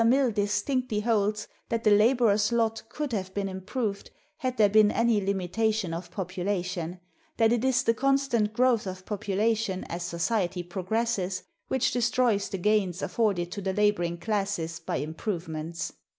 Mill distinctly holds that the laborer's lot could have been improved had there been any limitation of population; that it is the constant growth of population as society progresses which destroys the gains afforded to the laboring classes by improvements.